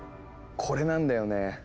これなんだよね。